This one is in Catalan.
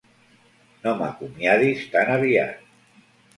No m'acomiadis tan aviat!